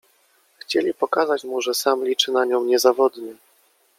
Chcieli pokazać mu, że sam liczy na nią niezawodnie.